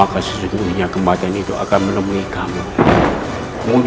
bagaimana kita akan colok domu